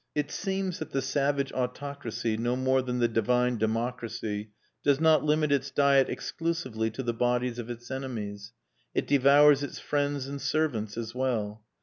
It seems that the savage autocracy, no more than the divine democracy, does not limit its diet exclusively to the bodies of its enemies. It devours its friends and servants as well.